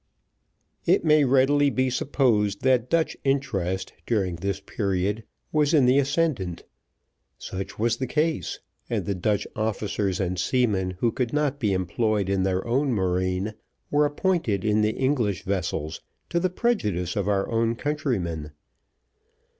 It may readily be supposed that Dutch interest, during this period, was in the ascendant. Such was the case: and the Dutch officers and seamen who could not be employed in their own marine were appointed in the English vessels, to the prejudice of our own countrymen.